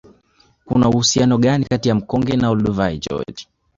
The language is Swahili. Kuna uhusiano gani kati ya mkonge na Olduvai Gorge